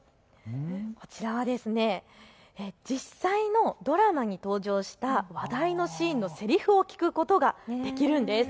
こちらは実際のドラマに登場した話題のシーンのせりふを聞くことができるんです。